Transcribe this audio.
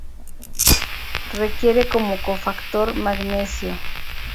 Requiere como cofactor magnesio.